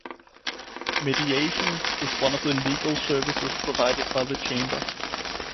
Mediation is one of the legal services provided by the Chamber.